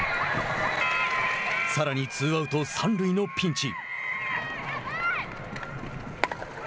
さらにツーアウト、三塁のピンチ。